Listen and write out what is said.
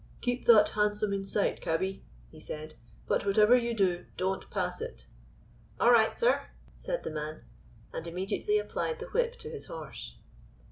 "Keep that hansom in sight, cabby," he said: "but whatever you do don't pass it." "All right, sir," said the man, and immediately applied the whip to his horse.